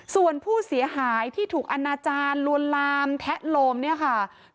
ส่วนผู้เสียหายที่ถูกอนาจารย์ลวนลามแทะโลมเนี่ยค่ะ